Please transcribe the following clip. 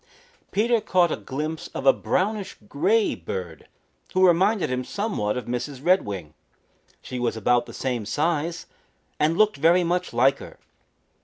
Peter caught a glimpse of a brownish gray bird who reminded him somewhat of Mrs. Redwing. She was about the same size and looked very much like her.